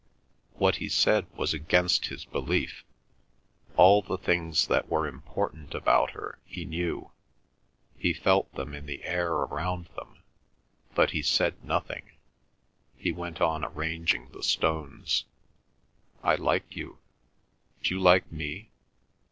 What he said was against his belief; all the things that were important about her he knew; he felt them in the air around them; but he said nothing; he went on arranging the stones. "I like you; d'you like me?"